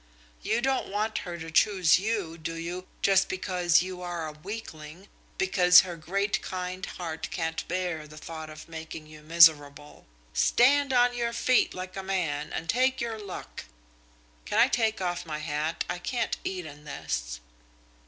You don't want her to choose you, do you, just because you are a weakling, because her great kind heart can't bear the thought of making you miserable? Stand on your feet like a man and take your luck.... Can I take off my hat? I can't eat in this."